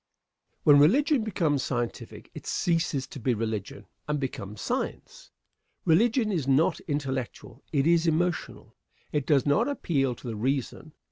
Answer. When religion becomes scientific, it ceases to be religion and becomes science. Religion is not intellectual it is emotional. It does not appeal to the reason.